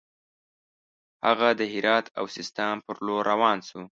هغه د هرات او سیستان پر لور روان شو.